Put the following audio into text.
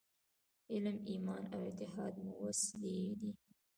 علم، ایمان او اتحاد مو وسلې دي.